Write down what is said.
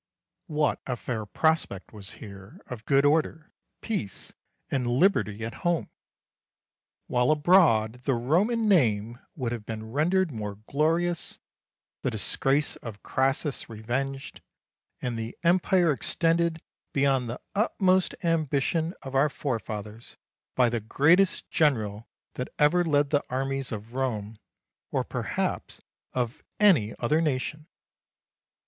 What a fair prospect was here of good order, peace, and liberty at home, while abroad the Roman name would have been rendered more glorious, the disgrace of Crassus revenged, and the Empire extended beyond the utmost ambition of our forefathers by the greatest general that ever led the armies of Rome, or, perhaps, of any other nation!